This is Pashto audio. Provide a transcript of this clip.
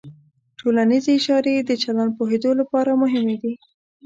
ټولنیز اشارې د چلند پوهېدو لپاره مهمې دي.